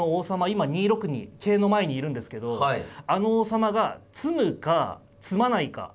今２六に桂の前にいるんですけどあの王様が詰むか詰まないか。